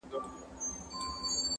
زوی او لور به یې نهر ورته پراته وه!.